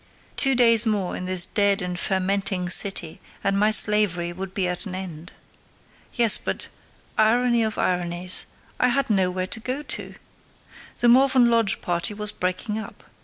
Two days more in this dead and fermenting city and my slavery would be at an end. Yes, but—irony of ironies!—I had nowhere to go to! The Morven Lodge party was breaking up.